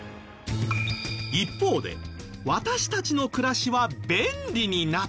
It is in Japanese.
一方で私たちの暮らしは便利になった！？